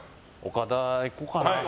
岡田、いこうかな。